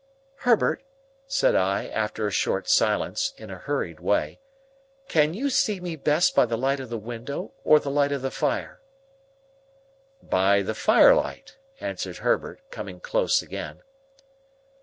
"Herbert," said I, after a short silence, in a hurried way, "can you see me best by the light of the window, or the light of the fire?" "By the firelight," answered Herbert, coming close again.